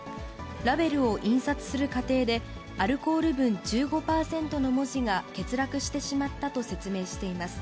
ラベルを印刷する過程で、アルコール分１５％の文字が欠落してしまったと説明しています。